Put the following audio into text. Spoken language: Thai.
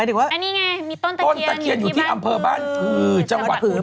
อันนี้ไงมีต้นตะเคียนอยู่ที่บ้านผือ